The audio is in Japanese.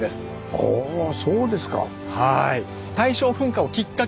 はあそうですか。